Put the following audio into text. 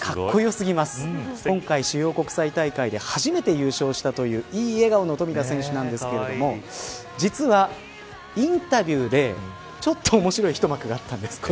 今回主要国際大会で初めて優勝したといういい笑顔の冨田選手なんですけれども実は、インタビューでちょっと面白い一幕があったんです。